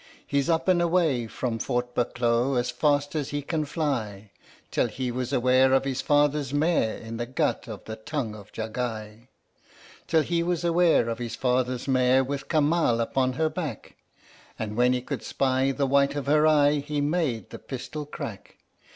He's up and away from Fort Bukloh as fast as he can fly, Till he was aware of his father's mare in the gut of the Tongue of Jagai, Till he was aware of his father's mare with Kamal upon her back, And when he could spy the white of her eye, he made the pistol crack.